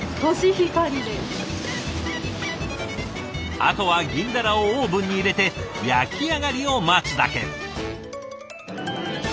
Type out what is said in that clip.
あとは銀鱈をオーブンに入れて焼き上がりを待つだけ。